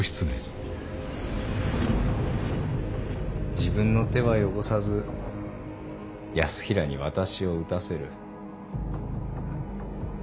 自分の手は汚さず泰衡に私を討たせる。